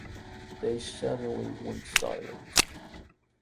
They suddenly went silent.